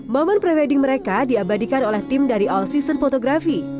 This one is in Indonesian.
momen pre wedding mereka diabadikan oleh tim dari all season fotografi